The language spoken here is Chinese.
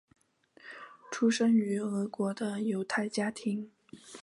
出生于俄国的犹太家庭。